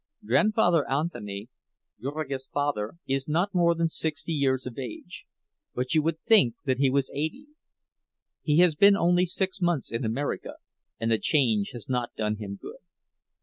Grandfather Anthony, Jurgis' father, is not more than sixty years of age, but you would think that he was eighty. He has been only six months in America, and the change has not done him good.